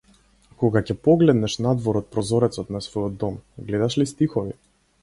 Кога ќе погледнеш надвор од прозорецот на својот дом, гледаш ли стихови?